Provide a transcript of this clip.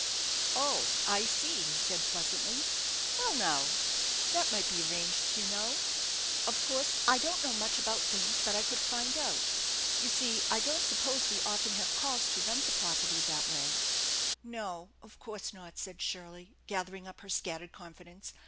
" Oh, I see/' he said pleasantly. " Well, now, that might be arranged, you know. Of course I don't know much about things, but I could find out. You see, I don't suppose we often have calls to rent the property that way "" No, of course not," said Shirley, gathering up her scat tered confidence.